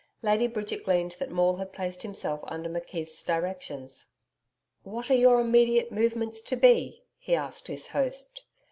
Lady Bridget gleaned that Maule had placed himself under McKeith's directions. 'What are your immediate movements to be?' he asked his host.